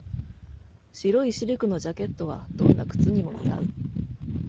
白いシルクのジャケットはどんな靴にも似合う。